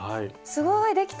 すごいできた！